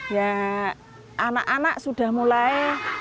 ya anak anak sudah mulai